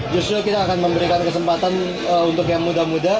justru kita akan memberikan kesempatan untuk yang muda muda